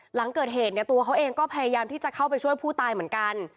หลังเกิดเหตุเนี่ยตัวเขาเองก็พยายามที่จะเข้าไปช่วยผู้ตายเหมือนกัน